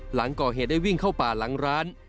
หลังก่อเหตุได้วิ่งเข้าป่าหลังร้าน